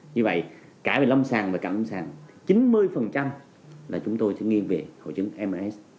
như vậy cả về lâm sàng và cả lâm sàng chín mươi là chúng tôi sẽ nghiên về hội chứng mis